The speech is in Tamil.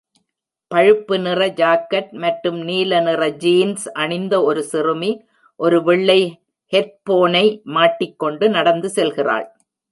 பழுப்பு நிற ஜாக்கெட் மற்றும் நீல நிற ஜீன்ஸ் அணிந்த ஒரு சிறுமி, ஒரு வெள்ளை ஹெட்ஃபோனை மாட்டிக்கொண்டு நடந்து செல்கிறாள்